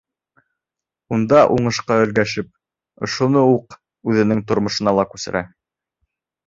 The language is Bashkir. Унда уңышҡа өлгәшеп, ошоно уҡ үҙенең тормошона ла күсерә.